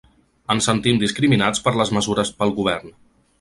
Ens sentim discriminats per les mesures pel govern.